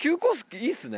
いいっすね